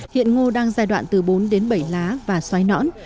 hiện ngô đang giai đoạn từ bốn đến bảy lá và xoáy nõn